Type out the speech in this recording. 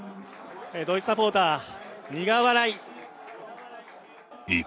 ドイツサポーター、苦笑い。